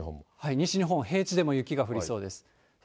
西日本、平地でも雪が降りそうです。